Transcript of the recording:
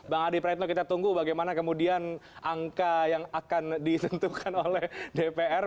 bang adi praetno kita tunggu bagaimana kemudian angka yang akan ditentukan oleh dpr